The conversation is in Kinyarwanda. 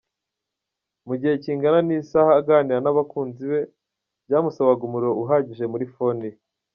Mugihe kingana n’isaha aganira n’abakunzi be byamusabaga umuriro uhagije muri Fone ye.